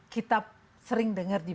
kita sering dengar di